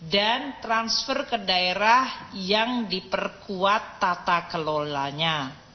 dan transfer ke daerah yang diperkuat tata kelolanya